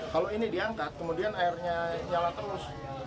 kalau ini diangkat kemudian airnya nyala terus